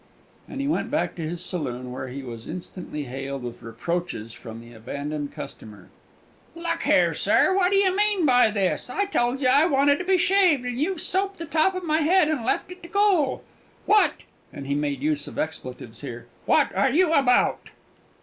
And he went back to his saloon, where he was instantly hailed with reproaches from the abandoned customer. "Look here, sir! what do you mean by this? I told you I wanted to be shaved, and you've soaped the top of my head and left it to cool! What" and he made use of expletives here "what are you about?"